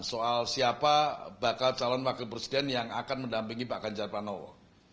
soal siapa bakal calon wakil presiden yang akan mendampingi pak ganjar pranowo